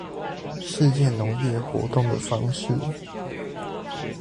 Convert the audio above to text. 世界農業活動的方式